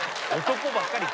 男ばっかり。